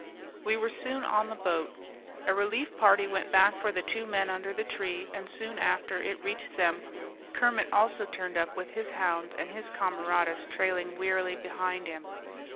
We were soon on the boat. A relief party went back for the two men under the tree, and soon after it reached them Kermit also turned up with his hounds and his camaradas trailing wearily behind him.